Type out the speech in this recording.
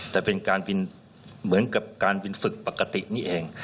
แต่เป็นการบินเหมือนกับการบินฝึกปกตินี่เอง